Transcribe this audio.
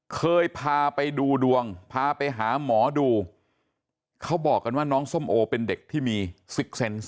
เคยพาไปดูดวงพาไปหาหมอดูเขาบอกกันว่าน้องส้มโอเป็นเด็กที่มีซิกเซนส์